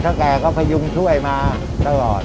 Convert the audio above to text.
เจ้าแก่เขาก็ยุ่งช่วยมาตลอด